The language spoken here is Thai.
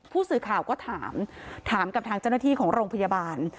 ผู้สื่อข่าวก็ถามถามกับทางเจ้าหน้าที่ของโรงพยาบาล